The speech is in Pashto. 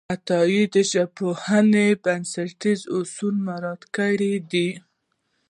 عطایي د ژبپوهنې بنسټیز اصول مراعت کړي دي.